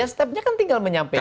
stepnya kan tinggal menyampaikan